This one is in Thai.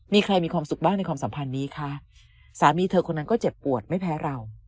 มีใครมีความสุขบ้างในความสัมพันธ์นี้คะสามีเธอคนนั้นก็เจ็บปวดไม่แพ้เรา